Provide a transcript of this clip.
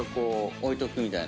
置いとくみたいな。